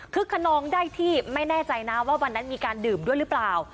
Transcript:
ขนองได้ที่ไม่แน่ใจนะว่าวันนั้นมีการดื่มด้วยหรือเปล่า